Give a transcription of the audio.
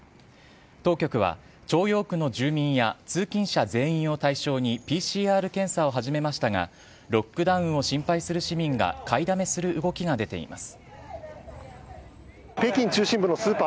当局は、朝陽区の住民や通勤者全員を対象にＰＣＲ検査を始めましたが、ロックダウンを心配する市民が買いだめする動きが出ています。